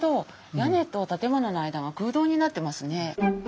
屋根と建物の間が空洞になってますね。